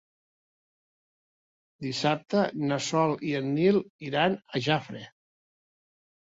Dissabte na Sol i en Nil iran a Jafre.